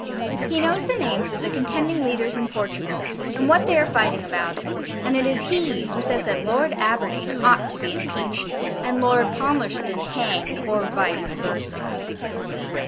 He knows the names of the contending leaders in Portugal, and what they are fighting about: and it is he who says that Lord Aberdeen ought to be impeached, and Lord Palmerston hanged, or VICE VERSA.